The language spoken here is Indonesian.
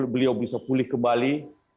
beliau bisa pulih kembali